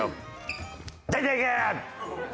出ていけ！